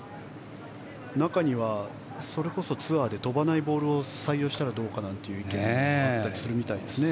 中には、それこそツアーで飛ばないボールを採用したらどうかなんて意見もあったりするみたいですね。